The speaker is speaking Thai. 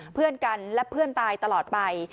เพื่อนกันและเพื่อนตายตลอดไป